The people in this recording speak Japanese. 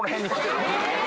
え！